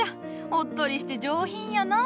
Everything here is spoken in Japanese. おっとりして上品よのう。